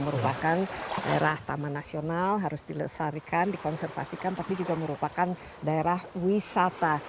merupakan daerah taman nasional harus dilestarikan dikonservasikan tapi juga merupakan daerah wisata